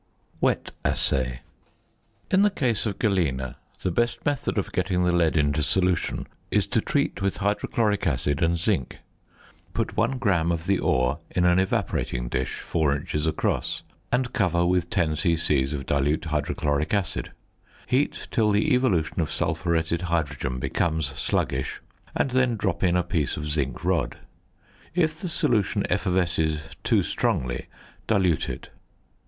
WET ASSAY. In the case of galena the best method of getting the lead into solution is to treat with hydrochloric acid and zinc. Put 1 gram of the ore in an evaporating dish 4 inches across, and cover with 10 c.c. of dilute hydrochloric acid. Heat till the evolution of sulphuretted hydrogen becomes sluggish, and then drop in a piece of zinc rod. If the solution effervesces too strongly, dilute it.